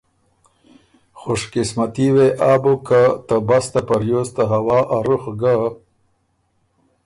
خوش قسمتي وې آ بُک که ته بسته په ریوز ته هوا ا رُخ ګه